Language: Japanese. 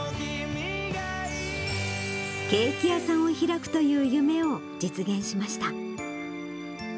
ケーキ屋さんを開くという夢を実現しました。